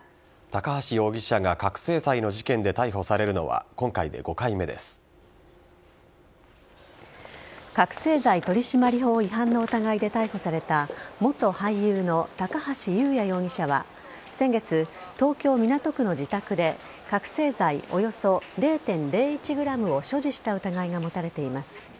高橋容疑者が覚醒剤の事件で逮捕されるのは覚せい剤取締法違反の疑いで逮捕された元俳優の高橋祐也容疑者は先月、東京・港区の自宅で覚醒剤およそ０．０１ｇを所持した疑いが持たれています。